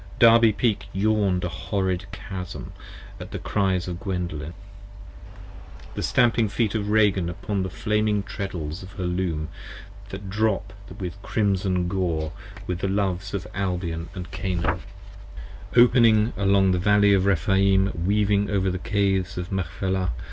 35 Derby Peak yawn'd a horrid Chasm at the Cries of Gwendolen, & at The stamping feet of Ragan upon the flaming Treddles of her Loom, That drop with crimson gore with the Loves of Albion & Canaan, 75 38 Opening along the Valley of Rephaim, weaving over the Caves of Machpelah, p.